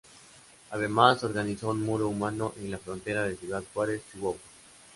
Además, organizó un muro humano en la frontera de Ciudad Juárez, Chihuahua.